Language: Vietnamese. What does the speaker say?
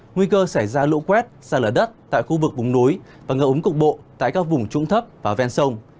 nguy cơ xảy ra lũ quét xa lở đất tại khu vực bùng núi và ngợ úng cục bộ tại các vùng trung thấp và ven sông